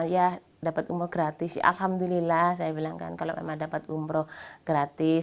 ya dapat umroh gratis alhamdulillah saya bilang kan kalau memang dapat umroh gratis